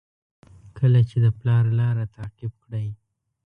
کله چې د پلار لاره تعقیب کړئ.